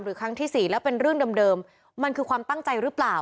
ครั้งที่สี่แล้วเป็นเรื่องเดิมมันคือความตั้งใจหรือเปล่า